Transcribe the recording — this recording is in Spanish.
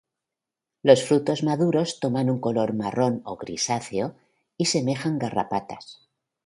Los frutos maduros toman un color marrón o grisáceo y semejan garrapatas.